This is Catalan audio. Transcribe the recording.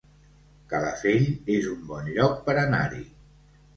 Calafell es un bon lloc per anar-hi